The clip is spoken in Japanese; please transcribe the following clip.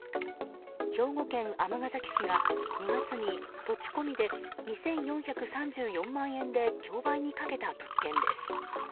兵庫県尼崎市が２月に土地込みで２４３４万円で競売にかけた物件です。